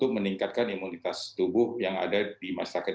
orang orang lain tidak sending correct larva ini